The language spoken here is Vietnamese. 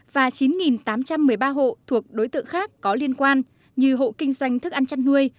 và chín tám trăm một mươi ba hộ thuộc đối tượng khác có liên quan như hộ kinh doanh thức ăn chăn nuôi